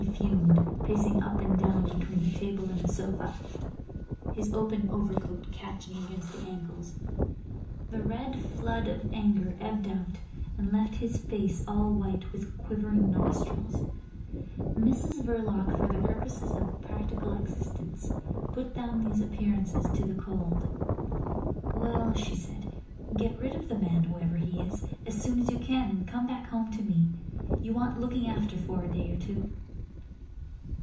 He fumed, pacing up and down between the table and the sofa, his open overcoat catching against the angles. The red flood of anger ebbed out, and left his face all white, with quivering nostrils. Mrs Verloc, for the purposes of practical existence, put down these appearances to the cold. "Well," she said, "get rid of the man, whoever he is, as soon as you can, and come back home to me. You want looking after for a day or two."